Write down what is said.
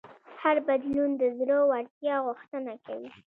هر بدلون د زړهورتیا غوښتنه کوي.